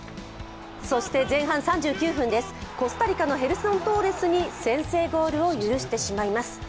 そして前半３９分です、コスタリカのトーレスに先制ゴールを許してしまいます。